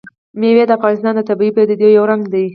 مېوې د افغانستان د طبیعي پدیدو یو رنګ دی.